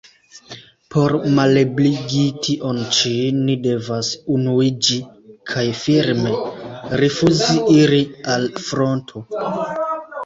Por malebligi tion ĉi, ni devas unuiĝi kaj firme rifuzi iri al fronto.